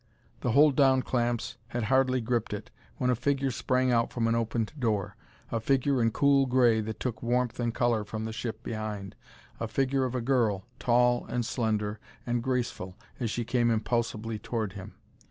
The hold down clamps had hardly gripped it when a figure sprang out from an opened door. A figure in cool gray that took warmth and color from the ship behind a figure of a girl, tall and slender and graceful as she came impulsively toward him.